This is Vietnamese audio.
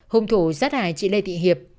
hùng thủ sát hại chị lê thị hiệp